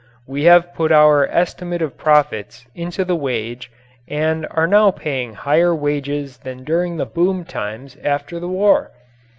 We have put our estimate of profits into the wage and are now paying higher wages than during the boom times after the war.